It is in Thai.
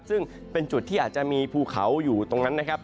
ซึ่งเป็นจุดที่อาจจะมีภูเขาอยู่ตรงนั้นนะครับ